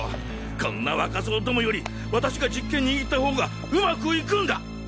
こんな若造どもより私が実権握った方が上手くいくんだ！